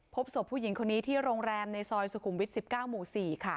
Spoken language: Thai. พบศพผู้หญิงคนนี้ที่โรงแรมในซอยสุขุมวิท๑๙หมู่๔ค่ะ